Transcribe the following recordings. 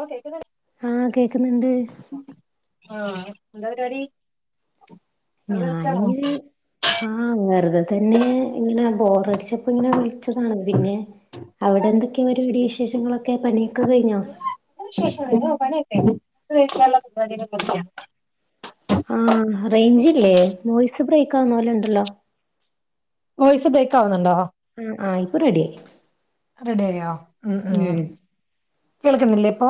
ഓഹ് കേൾക്കുന്നുണ്ട് ആഹ് കേക്കുന്നുണ്ട് ആഹ് എന്താ പരിപാടി വെറുതെ വിളിച്ചാണോ ഞാനിങ്ങനെ ആഹ് വെറുതെ തന്നെ ഇങ്ങനെ ബോറടിച്ച അപ്പ ഇങ്ങനെ വിളിച്ചതാണ് പിന്നെ അവിടെ എന്തൊക്കെയ ഒരുടി നല്ല വിശേഷങ്ങളൊക്കെ പണിയൊക്കെ കഴിഞ്ഞോ വിശേഷംമായി പണിയൊക്കെ കഴിഞ്ഞു ഫുഡ്‌ കഴിക്കാനുള്ള പരുപാടി ഒക്കെ തുടങ്ങിയ ആ റൈൻജില്ലേ വോയിസ്‌ ബ്രേക്കാ വുന്നോലണ്ടല്ലോ വോയിസ് ബ്രേക്കാവുന്നുണ്ടോ ആ യിപ്പൊ റെഡിയായി റെഡിയായോ ഉം ഉം കേൾക്കുന്നില്ലേ പ്പൊ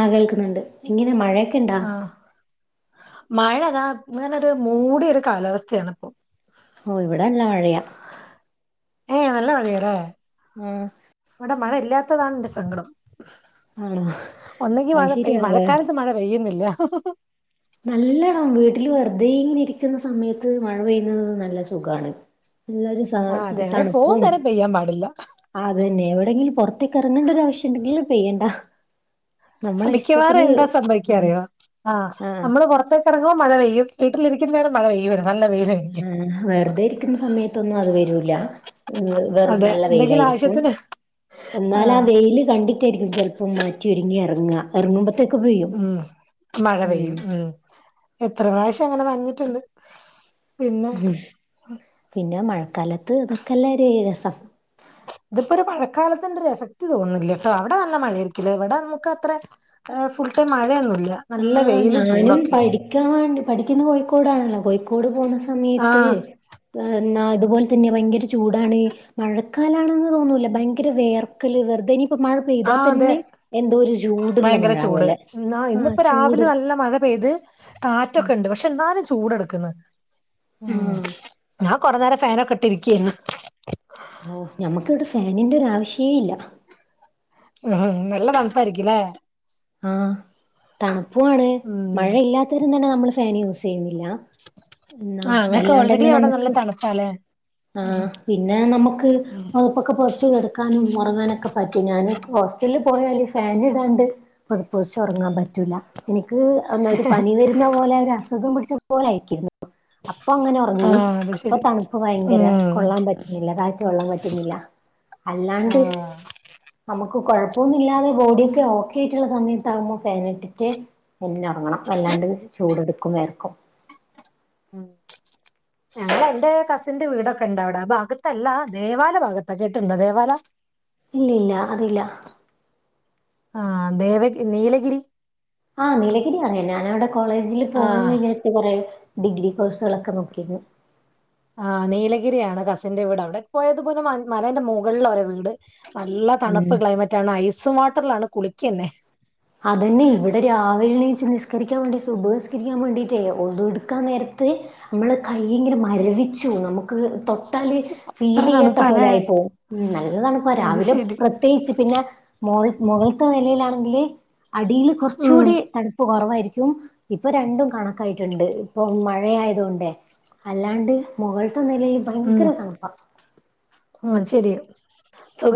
ആഹ് കേൾക്ന്ന്‌ണ്ട് ഇങ്ങനെ മഴയെ ആ മഴതാ ഇങ്ങനരു മൂടിയൊരു കാലാവസ്ഥയാണിപ്പൊ ഓഹ് ഇവിടെ നല്ലമഴയാ ഏഹ് നല്ല മഴയാല്ലേ ഉം വിടെ മഴ ഇല്ലാത്തതാണ്ന്റെ സങ്കടം ആണോ ഒന്നെങ്കി അത് മഴ പെയ്യ് ശരിയാല്ലേ മഴക്കാലത്ത് മഴ പെയ്യുന്നില്ല നല്ലണം വീട്ടിൽ വെറുതെങ്ങനെ ഇരിക്കുന്ന സമയത്ത് മഴ പെയ്യുന്നത് നല്ല സുഖാ ണ് നല്ലരു സ തണുപ്പും പൊയ്യപാടില്ല ആ അതന്നെ എവിടെയെങ്കിലും പുറത്തേക്ക് ഇറങ്ങേണ്ട ഒരു ആവശ്യണ്ടെങ്കിൽ പെയ്യണ്ട. നമ്മളെ മിക്കവാറും ഇഷ്ടത്തിന് എന്താ സംഭവിക്കാ ഉം അറിയോ ആ ആഹ് നമ്മള് പുറത്ത്. ഇറങ്ങമ്പം മഴ പെയ്യും വീട്ടിലിരിക്കുന്നേരം മഴ പെയ്യുല്ല നല്ല വെയില്. ഉം വെറുതെരിക്കുന്ന സമയത്തൊന്നും അത് വരൂല. വെറും അതെ നല്ല എന്തെങ്കിലും വെയിലായിരിക്കും ആവശ്യത്തിന് എന്നാൽ ആ ആഹ് വെയില് കണ്ടി. രിക്കും ചിലപ്പോം മാറ്റി ഒരുങ്ങി ഇറങ്ങ ഇറങ്ങുമ്പത്തേക് പെയ്യും ഉം മ്മ് എത്ര പ്രാവശ്യം അങ്ങനെ നനഞ്ഞി ട്ടുണ്ട്. ഉം പിന്നെ മഴക്കാലത്ത് അതൊക്കെല്ലേ ഒര് രസം. ഇതിപ്പോ ഒരു മഴക്കാലത്തിന്റെ ഒരു എഫക്ട് തോന്നുന്നില്യട്ടോ അവിടെ നല്ല മഴയിരികുല്ലേ ഇവിടെ നമുക്കത്രെ. ഫുൾടൈം മഴയൊന്നുല്ല. ആഞാനും പഠിക്കാ വേണ്ടി പഠിക്കു ന്ന കോഴിക്കോടാണല്ലോ കോഴിക്കോട് പോകുന്ന സമയത്ത്. ആഹ് ന്നാ ഇതുപോലെ തന്നെ ഭയങ്കര ചൂടാണ്. മഴക്കാലാണെന്ന് തോന്നൂല്ല ഭയങ്കര വേർക്കല് വെറുതനി. ഇപ്പൊ മഴ പെയ്താൽ ആഹ് അതെ തന്നെ എന്തോ ഒരു ജൂടുള്ള മഴ പോലെ ന്നാ ആഹ് ഇന്നിപ്പോ ചൂട് രാവിലെ നല്ല മഴ പെയ്ത് കാറ്റൊക്കെണ്ട് പക്ഷെ എന്നാലും ചൂട്ക് ട്. മ്മ് ആഹ് ഞാൻ കൊറ നേരം ഫാനൊക്കെ ഇട്ടി ഇരിക്കെര്ന്ന്‌. ഓ ഞമുക്കിവിടെ ഫാനിന്റെഒരാവിശ്യേല്ല. ഉം നല്ല തണുപ്പായിരികൂല്ലേ? ആ തണുപ്പുവാ ണ് ഉം മഴയില്ലാതേരം തന്നെ നമ്മൾ ഫാന് യൂസെയൂല ന്നാ അല്ലാണ്ടന്നെ നമുക്ക് തലേ ആ പിന്നെ നമുക്ക് ഇപ്പൊക്കെ പൊതച്ച് കെടക്കാനും മുറങ്ങാനൊക്കെ പറ്റും ഞാന് ഹോസ്റ്റലിൽ പോയാല് ഫാനിടാണ്ട്. പോതപൊതചൊറങ്ങ പറ്റും പറ്റുല എന്ക്ക് ഒര് പനി വരുന്ന പോലെ ഒരു അസുഖം പിടിച്ച പോലെ ആയിരിക്കിന്ന്‌. അപ്പൊങ്ങനെ ഒറങ്ങി ആഹ് അത് ഇപ്പൊ ശരി തണുപ്പ് ഭയങ്കര. കൊള്ളാൻ ഉം പറ്റുന്നില്ല കാറ്റ് കൊള്ളാൻ പറ്റുന്നില്ല അല്ലാണ്ട് ആഹ് നമുക്ക് കൊഴപ്പൊന്നുല്ലാതെ ബോഡിക്കെ ഓക്കെയിട്ടുള്ള സമയത്താകുമ്പോ ഫാനിറ്റിട്ട്. പിന്നെറങ്ങണം അല്ലാണ്ട് ചൂടെടുക്കും വേർക്കും മ്മ് ഞങ്ങളെ ന്റെ കസിന്റെ വീടൊക്കെ ണ്ടവിട ആ ഭാഗത്തല്ല ദേവാല ഭാഗത്തകേട്ടിട്ടുണ്ട ദേവാല ഇല്ലല്ല അതില്ല ആ ദേവഗി നീലഗിരി ആ നീലഗിരി അറിയ ഞാനവിടെ കോളേജിൽ ആ പോകണംന്ന് വിചാരിച്ച കൊറെേ ഡിഗ്രി കോഴ്സുകളൊക്കെ നോക്കിരുന്നു. ആ നീലഗിരിയാണ് കസിന്റെ വീട് അവിടെ പോയതുപോലെ മ മലന്റെ മുകളില ഒരെ വീട്. നല്ല ഉം തണുപ്പ് ക്ലൈമറ്റ ആണ് ഐസും വാട്ടറിലാണ് കുളിക്കന്നെ അതന്നെ ഇവിടെ രാവിലെ എച്ച് നിസ്കരിക്കാൻ വേണ്ടിട്ട് സുപയി നിസ്കരിക്കാൻ വേണ്ടിട്ടേ ഒതെടുക്കാൻ നേരത്ത് നമ്മളൊ കൈമരവിച്ചു നമുക്ക് തൊട്ടാൽ ഇത്ര ഫീൽ ചെയ്യാത്ത പോലെ തണുപ്പാല്ലേ ആയിപ്പോ ഉ നല്ലതണുപ്പ അത് രാവിലെ പ്ര ശരി പ്രത്യേച്ച് പിന്നെ മൾ മുകൾത്തെ നിലയിലാണെങ്കില്. അടിൽ ഉം കുറച്ചുകൂടി തണുപ്പ് കുറവായിരിക്കും. ഇപ്പ രണ്ടും കണക്കായിട്ടുണ്ട് ഇപ്പൊ മഴയത് കൊണ്ടേ അല്ലാണ്ട്. മുകളൾത്തെ നിലയിൽ ഭയങ്കര തണുപ്പാണ്. ഉ ശരിയ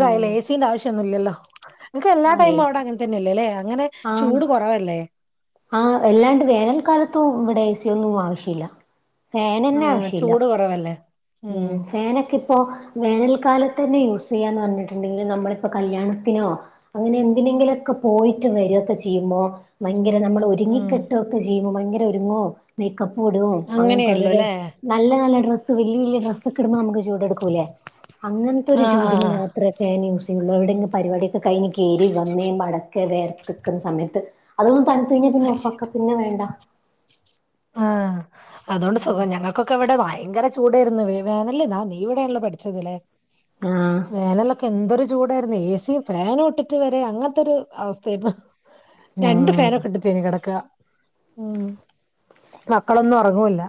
ഉം എഏ സീന്റെ ആവശ്യംഒന്നുംല്ലല്ലോ. നിമക്ക് എല്ലാ ആ എ ടൈും അവിടെ സി അങ്ങനെ തന്നെയല്ലേ അല്ലേ അങ്ങനെ ചൂട് കുറവല്ലേ ആ എല്ലാണ്ട് വേനൽക്കാലത്തും ഇവിടെ എ സിയ ഒന്നും ആവശ്യമില്ല. ആ ഫൺന്നെ ആവശ്യമില്ല ചൂട് കുറവല്ലേ ഉ ഉം ഫൺക്കെ ഇപ്പൊ വേനൽക്കാലത്തന്നെ യൂസ് ചെയ്യാന്ന് പറഞ്ഞിട്ടുണ്ടെങ്കിൽ നമ്മളിപ്പോ കല്യാണത്തിനോ അങ്ങനെ എന്തിനെങ്കിലുംക്കെ പോയിട്ട് വരൊക്കെ ചെയ്യുമ്പോ മ നമ്മൾ ഉം ഒരുങ്ങിക്കെട്ട ഒക്കെ ചെയ്യുമ്പോ ഭയങ്കര ഒരുങൊ മേക്കപ്പ് വിടും അങ്ങനത്തെ അങ്ങനെയുള്ളൂ ഓരോരോ അല്ലേ നല്ല, നല്ല ഡ്രസ്സ് വലിയ, വലിയ ഡ്രസ് ഒക്കെ ഇടുമ്പോ നമുക്ക് ചൂടെടുക്കൂല്ലേ അങ്ങനത്തോരു ആ ആ ചൂടിന് ആ മാം ഇത്രയൊക്കെ ന്യൂസെ ഉള്ളൂ എവിടെയങ്കി പരിപടിക്കെ കഴിഞ് കേറി വന്നേ മടക്കെ വേർത്തിക്കുന്ന സമയത്ത് അതൊന്നും തണുത്തഴിഞ്ഞാ പിന്നെ അത് ശരി ഒഫക്ക പിന്നെ വേണ്ട. ആ അതോണ്ട് ഉം സുഖ ഞങ്ങക്കൊക്കെ ഇവിടെ ഭയങ്കര ചൂടായിരുന്നു വേവേനല്ലേ നാ നീ ഇവിടെയാണല്ലോ പഠിച്ചതിലേ. ആഹ്. വേനലൊക്കെ എന്തൊരു ചൂടായിരുന്നു ഏസിയും ഫാനും ഇട്ടിട്ട് വരെ അങ്ങനത്തൊരു അവസ്ഥേരുന്നു. രണ്ടു ഉം ഫേനൊക്കെ ഇട്ടിട്ടേന് കെടക്ക ഉം. മക്കളൊന്നും ഒറങ്ങൂല്ല.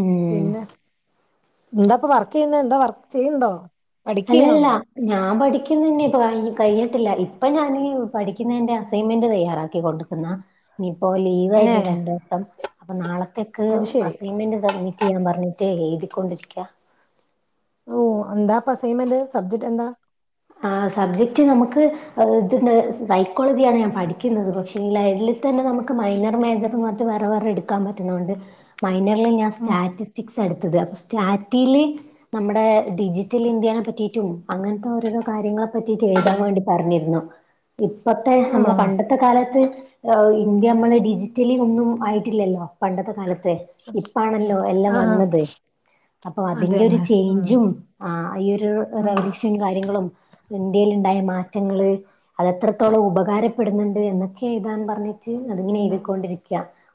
ഉം. പിന്നെ എന്താപ്പ വർക്കെയ്യുന്നെ എന്താ വർക്ക് ചെയ്യണ്ടോ? പഠിക്കയാണോ? അല്ലല്ല. ഞാൻ പഠിക്കുന്നന്നെ. ഇപ്പ കൈ കയത്തില്ല ഇപ്പ ഞാനീ പഠിക്കുന്നെന്റെ അസൈൻമെന്റ് തയ്യാറാക്കികൊണ്ട് ട്ട്ന്ന ഇനിയിപ്പോ ലീവ് ആയിരുന്നു ഏഹ് രണ്ടുസം അപ്പൊ നാളത്തേക്ക് അത് ശെരി. അസൈൻമെന്റ് സബ്മി റ്റെയ്യാൻ പറഞ്ഞിട്ട് എഴുതിക്കൊണ്ടിരിക്ക. ഓ എന്താ പ്പ അസെയിമെന്റ്? സബ്ജെക്ട് എന്താ? ആ സബ്ജക്റ്റ് നമുക്ക് ഇത്ണ്ട് സൈക്കോളജിയാണ് ഞാൻ പഠിക്കുന്നത്. പക്ഷെ ഇല്ല ഈയില്തന്നെ നമുക്ക് മൈനർ മേജർ മാറ്റ് വേറെ, വേറെ എടുക്കാൻ പറ്റുന്നൊണ്ട് മൈനറിൽ ഞാൻ ഉം. സ്റ്റാറ്റിസ്റ്റിക്സ് എടുത്തത് അപ്പൊ സ്റ്റാറ്റില് നമ്മുടെ ഡിജിറ്റൽ ഇന്ത്യനെ പറ്റിയിട്ടും അങ്ങനത്തെ ഓരോരോ കാര്യങ്ങളെ പറ്റിറ്റും എഴുതാൻ വേണ്ടി പറഞ്ഞിരുന്നു. ഇപ്പത്തെ നമ്മളെ ആഹ് പണ്ട ത്ത കാലത്ത് ഇന്ത്യ അമ്മളെ ഡിജിറ്റലി ഒന്നും ആയിട്ടില്ലല്ലോ. പണ്ടത്തെ കാലത്ത് ഇപ്പാണല്ലോ എല്ലാം ആഹ് വന്നത്. അപ്പൊ അതിന്റെ ഒരു അതന്നെ. ഉം ചേഞ്ചും ആ ഈ ഒരു ഉം റവല്യൂഷൻ കാര്യങ്ങളും ഇന്ത്യെല്ണ്ടായ മാറ്റങ്ങള് അതെത്രത്തോളം ഉപകാരപ്പെടുന്നുണ്ട് എന്നൊക്കെ എഴുതാൻ പറഞ്ഞിട്ട് അതിങ്ങനെ എഴുതിക്കൊണ്ടിരിക്ക.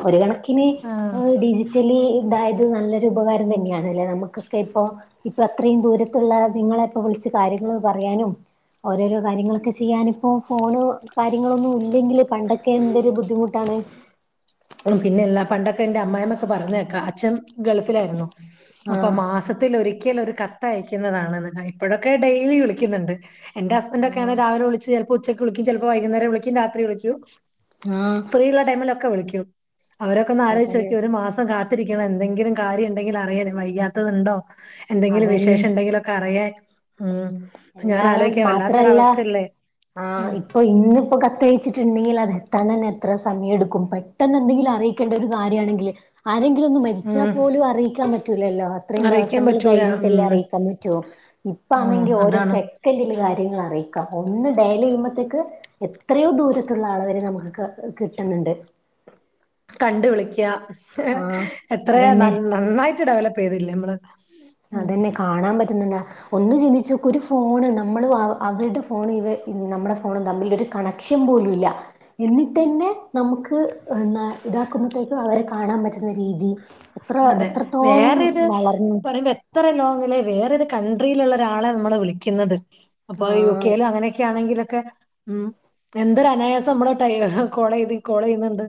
ഒരു കണക്കിന് ആഹ്. ഡിജി റ്റെലി ഇതായത് നല്ലൊരു ഉപകാരം തന്നെയാണ് അല്ലേ നമുക്കൊക്കെ ഇപ്പോ ഇപ്പൊ അത്രയും ദൂരത്തുള്ള നിങ്ങളെ ഇപ്പോ വിളിച്ചു കാര്യങ്ങൾ പറയാനും. ഓരോരോ കാര്യങ്ങളൊക്കെ ചെയ്യാനിപ്പോ ഫോണ് കാര്യങ്ങളൊന്നും ഇല്ലെങ്കില് പണ്ടക്കെ എന്തൊരു ബുദ്ധിമുട്ടാണ്. അ പിന്നെ എല്ലാ പണ്ടക്കെ എന്റെ അമ്മയമൊക്കെ പറയ്ന്നെക്കാം അച്ഛൻ ഗൾഫിലായിരുന്നു. അപ്പം ആഹ് മാസത്തിലൊരിക്കലൊരു ക ത്തഅയക്കുന്നതാണ്ന്ന്. ഇപ്പോഴൊക്കെ ഡെയിലി വിളിക്കുന്നുണ്ട്. എന്റെ ആഹ് ഹസ്ബന്റോക്കെയാണെ രാവിലെ വിളിച്ച് ചെല ഉച്ചക്ക് വിളിക്കും, ചിലപ്പോ വൈകുന്നേരം വിളിക്കും, രാത്രി വിളിക്കും, ആഹ് ഫ്രീ ഉള്ള ടൈമിലൊക്കെ വിളിക്കും. അവരൊക്കെ ഒന്ന് അതന്നെ ആലോയിച്ചോക്കിയേ ഒരു മാസം കാ തിരിക്കണം എന്തെങ്കിലും കാര്യണ്ടെങ്കില് അറിയ വയ്യാത്തത് ഉണ്ടോ എന്തെങ്കിലും അതന്നെ വിശേഷം ണ്ടെങ്കിലൊ ക്കറിയാ ഉം. ഞാൻ എല്ലാ ആലോചിക്കാം മാത്രല്ല വല്ലാത്തൊരവസ്ഥയല്ലേ ആ ഉം ഇപ്പൊ ഇന്നിപ്പോ കത്തയച്ച് ണ്ടെങ്കിൽ അത് എത്താൻ തന്നെ എത്ര സമയം എടുക്കും. പെട്ടെന്ന് എന്തെങ്കിലും അറിയിക്കേണ്ട ഒരു കാര്യണെങ്കില് ആരെ ങ്കിലോന്ന് മരിച്ചാ ഉം പോലും അറിയിക്കാൻ പറ്റൂലല്ലോ അത്രയും അറിയിക്കാൻ ദെവസങ്ങൾ പറ്റൂല കഴിഞ്ഞിട്ടല്ലേ ഉം അറിയിക്കാൻ പറ്റു. ഇപ്പ ഉം ആന്നെങ്കി ഓരോ അതാണ് സെക്കന്റില് കാര്യങ്ങൾ അറിയിക്കാം ഒന്ന് ഡയലെയ്യുമ്പോത്തേക്ക് എത്രയോ ദൂരത്തുള്ള ആളവരെ നമുക്ക് കിട്ട്ന്ന്ണ്ട്. കണ്ട് വിളിക്ക ആഹ് എത്ര അതന്നെ നന്നായിട്ട് ഡെവലപ്പ് ചെയ്തില്ലേ നമ്മള്. ഉം അതന്നെ കാണാൻ പറ്റ്ന്ന്ന്താ. ഒന്ന് ചിന്തിചോക്ക് ഒരു ഫോണ് നമ്മള് അവരുടെ ഫോൺ ഇവ നമ്മുടെ ഫോണ തമ്മിലൊര് കണക്ട്. ലക്ഷ്യം പോലുംല്ല എന്നിട്ട്ന്നെ നമുക്ക് ഇതാക്കുമ്പോത്തേക്കും അവരെ കാണാൻ പറ്റുന്ന രീതി. എത്ര, അതെ എത്രത്തോളം വളർന്നു. ഇത്ര ലോങ്ങിലെ വേറരു കൺട്രിലുള്ള ഒരാളെ നമ്മളെ വിളിക്കുന്നത്. അപ്പൊ ആഹ് യുകെൽ അങ്ങനെക്കെ ആണെങ്കിലൊക്കെ ഉം എന്തൊരു അനായാസം നമ്മള ഡൈ കോൾ ചെയ്തി കോൾ ചെയ്യുന്നുണ്ട്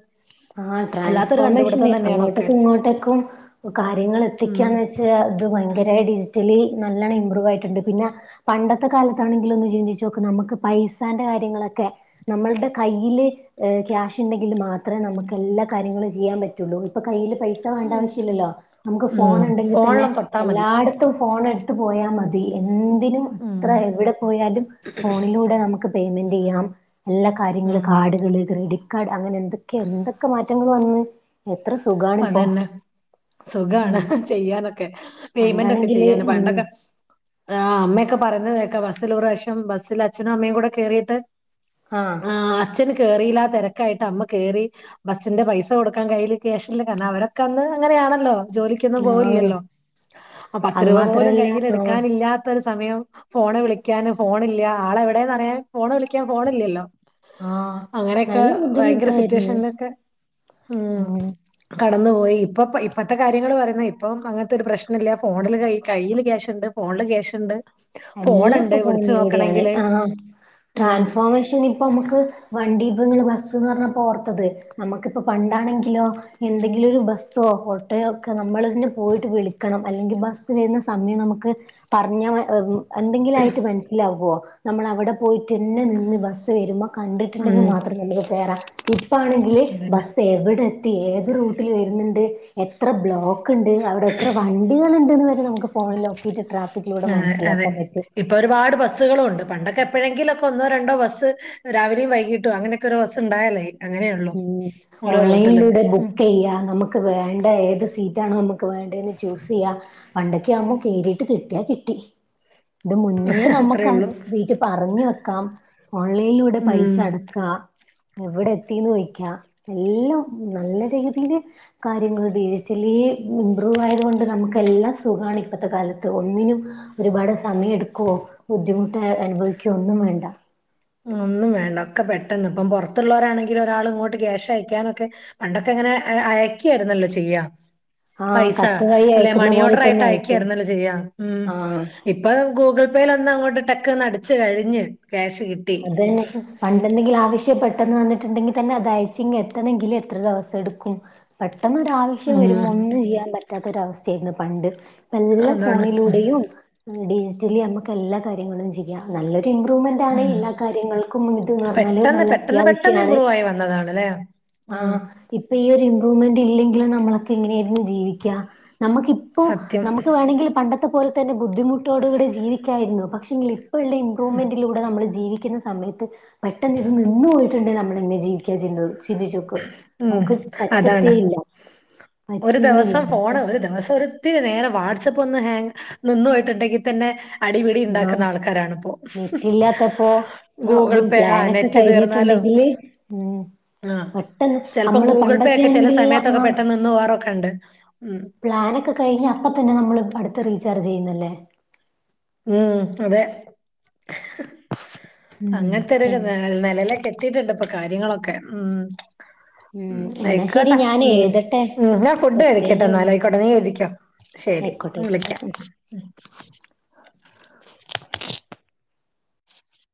ആ അല്ലാത്തൊരു ട്രാൻസ്ഫോർമേഷന് കണ്ടുപിടുത്തം തന്നെയാണൊക്കെ അങ്ങോട്ടേക്കും ഇങ്ങോട്ടേക്കും പ്പോ കാര്യങ്ങൾ ഉം എത്തിക്കാന്ന് വെച്ചാൽ അത് ഭയങ്കരമായി ഡിജിറ്റലി നല്ലവണം ഇമ്പ്രൂവ് ആയിട്ടുണ്ട് പിന്നെ പണ്ടത്തെ കാലത്താണെങ്കിലൊന്ന് ചിന്തിച്ച നോക്ക് നമുക്ക് പൈസാന്റെ കാര്യങ്ങളൊക്കെ നമ്മളുടെ കയ്യില് എഹ ക്യാഷ് ഉണ്ടെങ്കിൽ മാ- അത്രമേ നമു എല്ലാ കാര്യങ്ങളും ചെയ്യാൻ പറ്റുള്ളൂ ഇപ്പൊ കയ്യിൽ പൈസ വേണ്ട ഉം ആവശ്യമില്ലല്ലോ നമുക്ക് ഉം ഫോൺ ഉണ്ടെങ്കിൽ തന്നെ ഫോണിലൊന്ന് തൊട്ടാ മതി എല്ലായിടും ഫോൺ എടുത്ത് പോയാൽ മതി എന്തിനും ഉം ഇത്ര എവിടെ പോയാലും ഫോണിലൂടെ നമുക്ക് പേയ്മെന്റ് ചെയ്യാം എല്ലാ കാര്യങ്ങള് ഉം കാർഡുകള് ക്രെഡിറ്റ് കാർഡ് അങ്ങനെ എന്തൊ എന്തൊക്കെ മാറ്റങ്ങൾ വന്ന് എത്ര സുഖാണിപ്പോ പ്പൊതന്നെ ഉം സുഖാണ് ചെയ്യാനൊക്കെ പേയ്മെന്റക്കെ പണ്ടാണെങ്കില് ചെയ്യൻ ഉം പണ്ടൊക്കെ ആഹ അമ്മയൊക്കെ പറയുന്നതേക്ക ബസ്സിൽ ഒരു പ്രാവശ്യം ബസ്സില് അച്ഛനും അമ്മയൂടെ കേറീട്ട് ആഹ അച്ഛന് കേറീല്ല ആ തിരക്കായിട്ട് അമ്മ കയറി ബസ്സിന്റെ പൈസ കൊടുക്കാൻ കയ്യില് സ്റ്റേഷനിൽ അവരൊക്കെ അന്ന് അങ്ങനെയാണല്ലോ ജോലിക്കൊന്നും ആഹ് പോവലില്ലോ അപ്പ പത്ത് അത് രൂപ പോലും മാത്രല്ല കയ്യില് ആഹ് എടുക്കാനില്ലാത്തരു സമയം ഫോണ് വിളിക്കാന് ഫോണില്ല ആളെവിടെന്നറിയാൻ ഫോണ് വിളിക്കാൻ ഫോണില്ലല്ലോ ആഹ് അങ്ങനെയൊക്കെ നല്ല ഭയങ്കര ബുദ്ധിമുട്ടായിരുന്നു സിറ്റുവേഷനിലൊക്കെ ഉം കടന്നു പോയി ഇപ്പ ഇപ്പത്തെ കാര്യങ്ങൾ പറയുന്ന ഇപ്പം അങ്ങനത്തൊരു പ്രശ്നല്ല ഫോണിൽ കൈ കയ്യില് ക്യാശ്ണ്ട് ഫോണില് ക്യാഷുണ്ട് എല്ലാപ്പോ ഫോണിലൂടെയാണ് ആഹ ഉം ട്രാൻസ്ഫോർമേഷൻ ഇപ്പൊ നമുക്ക് വണ്ടി പ്പങ്ങള് ബസ്ന്ന് പറഞ്ഞാപോ ഓർത്തത് നമുക്കിപ്പോ പണ്ടാണെങ്കിലോ എന്തെങ്കിലൊരു ബസ്സോ ഓട്ടോയോ ഒക്കെ നമ്മളെന്നെ പോയിട്ട് വിളിക്കണം അല്ലെങ്കിൽ ബസ് വരുന്ന സമയം നമുക്ക് പറഞ്ഞ എന്തെങ്കിലും ആയിട്ട് മനസ്സിലാവോ നമ്മൾ അവടെ പോയിട്ട്ന്നെ നിന്ന് ബസ്സ് വരുമ്പോ കണ്ടിട്ടുണ്ടെങ്കിൽ ഉം മാത്രം നമുക്ക് കേറാ ഇപ്പാണെങ്കില് അതന്നെ ബസ് എവിടെ എത്തി ഏത് റൂട്ടിൽ വരുന്നുണ്ട് എത്ര ബ്ലോക്ക് ണ്ട് അവിടെ എത്ര വണ്ടികളണ്ട്ന്ന് വരെ നമുക്ക് ഫോണിലോക്കീട്ട് ട്രാഫിക്കിലൂടെ മനസ്സിലാ- ഇപ്പോൾ ഒരുപാട് ബസ്സുകളുണ്ട് പണ്ടൊക്കെ എപ്പോഴെങ്കിലൊക്കെ ഒന്നോ രണ്ടോ ബസ്സ് രാവിലിം വൈകീട്ടും അങ്ങനൊക്കൊരു ബസ്സുണ്ടായലേ ഉം ഓൺലൈനിലൂടെ ഉം ബുക്ക് ചെയ്യാ നമു- ക്ക് വേണ്ട ഏത് സീറ്റാണോ നമുക്ക് വേണ്ടത് ന്ന് ചൂസിയ്യാം പണ്ടൊക്കെ ആവുമ്പോ കേറീട്ട് കിട്ടിയാ കിട്ടി ഇത് മുന്നേ അത്രേ നമുക്ക് ആ ഉള്ളൂ സീറ്റ് പറഞ്ഞു വെക്കാം ഓൺലൈനിലൂടെ പൈസ ഉം അടക്കാ എവിടെ വയ്ക്ക എല്ലാം നല്ല രീതിയില് കാര്യങ്ങള് ഡിജിറ്റലി ഇംമ്പ്രൂവ് ആയത കൊണ്ടു നമുക്ക് എല്ലാം സുഖമാണ് ഇപ്പോഴത്തെ കാലത്ത് ഒന്നിനും ഒരുപാട് സമയം എടുക്കുവയോ ബുദ്ധിമുട്ട് അനുഭവിക്കുകയോ ഒന്നും വേണ്ട ഒന്നും വേണ്ട ഒക്കെ പെട്ടെന്ന് ഇപ്പം പുറത്തുള്ളവരാണെങ്കിലും ഒരാൾ ഇങ്ങോട്ട് ക്യാഷ് അയക്കാനൊക്കെ പണ്ടൊക്കെ ഇങ്ങനെ അയക്കയായിരുന്നല്ലോ ചെയ്യാ ആ പൈസ കത്ത് വഴി അല്ലെ അയക്കുന്ന മണി പോലെ ഓർഡർ ആയിട്ട് തന്നെ അയക്കും അയക്കായായിരുന്നല്ലോ ചെയ്യാം ഉം ആ ഇപ്പ ഗൂഗിൾ പേയിൽ ഒന്ന് അങ്ങോട്ട് ടക്ക് അടിച്ച് കഴിഞ്ഞ ക്യാഷ് കിട്ടി അത് തന്നെ പണ്ടെന്തെങ്കിലും ആവശ്യ പെട്ടെന്ന് വന്നിട്ടുണ്ടെങ്കിൽ തന്നെ അത് അയച്ച് ഇങ് എത്തണെങ്കിലും എത്ര ദിവസം എടുക്കും പെട്ടെന്ന് ഒരു ആവശ്യം ഉം വരുമ്പോൾ ഒന്നും ചെയ്യാൻ പറ്റില്ല പറ്റാത്തൊര അവസ്ഥയായിരുന്നു പണ്ട് ഇപ്പ എല്ലാം അതാണ് ഫോണിലൂടെയും ഡിജിറ്റലി നമുക്ക് എല്ലാ കാര്യങ്ങളും ചെയ്യാം നല്ലൊരു ഇമ്പ്രൂവ്മെന്റ് ആണെ ഉം എല്ലാ കാര്യങ്ങൾക്കും ഇത്ന്ന്ന് പറഞ്ഞാല് പെട്ടെന്ന് നല്ല പെട്ടെന്ന് പെട്ടെന്ന് അത്യാവശ്യമാണ് ഇമ്പ്രൂവ് ആയി വന്നതാണ് അല്ലേ ഉം ആഹ ഇപ്പൊ ഈ ഒരു ഇമ്പ്രൂവ്മെന്റ് ഇല്ലെങ്കിലും നമ്മളൊക്കെ എങ്ങനെയായിരുന്നു ജീവിക്ക നമുക്ക് ഇപ്പോ സത്യം നമുക്ക് വേണമെങ്കിൽ പണ്ടത്തെ പോലെ തന്നെ ബുദ്ധിമുട്ടോടുകൂടെ ജീവിക്കായിരുന്നു പക്ഷെങ്കിൽ ഇപ്പോ ഉള്ള ഇമ്പ്രൂവ്മെന്റിലൂടെ നമ്മൾ ജീവിക്കുന്ന സമയത്ത് പെട്ടന്ന്‌ ഇത് നിന്നു പോയിട്ടുണ്ട് നമ്മൾ എങ്ങനെ ജീവിക്ക ചിന്തിച്ചോക്ക് ഉം നമുക്ക് പറ്റത്തേ അതാണ് ഇല്ല ഒരു പറ്റുന്നില്ല ദെവസം നമുക്ക് ഫോണ് ഒരു ദിവസം ഒരു- ഇത്തിരി നേരം വാട്സആപ്പ് ഒന്ന് ഹാങ് നിന്ന്‌ പോയിട്ടുണ്ടെങ്കിൽ തന്നെ അടിപിടി ആഹ് ഉണ്ടാക്കുന്ന ആൾക്കാരാണിപ്പോ നെറ്റില്ലാത്തപ്പോ ഗൂഗിൾ പേ ആനെറ്റ് നെറ്റ് തീർന്നാല്ലോ മ് - ആഹ് ചെലപ്പോ ഗൂഗിൾ പേ ഒക്കെ ചില പണ്ടൊക്കെയാണെങ്കില് സമയത്തൊക്കെ ആഹ് പെട്ടെന്ന് നിന്ന പോവാറൊക്കെ ഉണ്ട് ഉം- പ്ലാനൊക്കെ കഴിഞ്ഞാ അപ്പ തന്നെ നമ്മൾ അടുത്ത് റീചാർജ് ചെയ്യുന്നല്ലേ ഉം അതെ ഉം അങ്ങനത്തെ എ ഒരു ന നെലെലേക്കെ ത്തിട്ടുണ്ട് ഇപ്പൊ കാര്യങ്ങളൊക്കെ ഉം ഉ [inaudible] ഉം ആയിക്കോട്ടെ ഉം ഉം ഞാൻ ഫുഡ് കൊറച്ച് കഴിക്കട്ടെ കഴിഞ്ഞ് വിളി എന്നാല് ആയിക്കോട്ടെ നീ എഴുതിക്കോ ശരി ആയിക്കോട്ടെ ആയിക്കോട്ടെ വിളിക്കാം ഉം